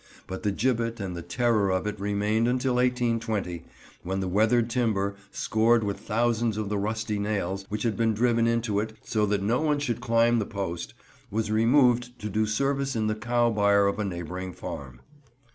But the gibbet and the terror of it remained until 1820, when the weathered timber, scored with thousands of the rusty nails which had been driven into it, so that no one should climb the post, was removed to do service in the cow byre of a neighbouring farm.